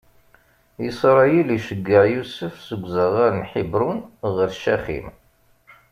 Isṛayil iceggeɛ Yusef seg uzaɣar n Ḥibṛun ɣer Caxim.